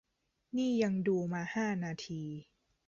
นี่ยังดูมาห้านาที